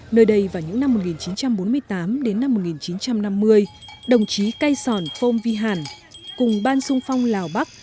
nơi đây vào những năm một nghìn chín trăm bốn mươi tám đến năm một nghìn chín trăm năm mươi đồng chí cay sòn phong vi hàn cùng ban sung phong lào bắc